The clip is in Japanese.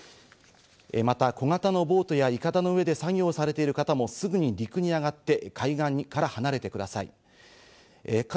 また小型のボートやいかだの上で作業されている方もすぐに陸に上がって、海岸から離れてください。